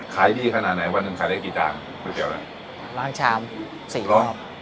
ขายดีขนาดไหนวันหนึ่งขายได้กี่จานก๋วยเตี๋ยวอะไรล้างชามสี่รอบ